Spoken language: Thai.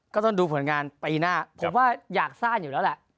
ก็ต้องดูผลงานไปนะผมว่าอยากซ่อนอยู่แล้วนะ